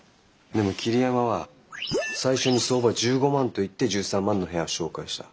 でも桐山は最初に相場１５万と言って１３万の部屋を紹介した。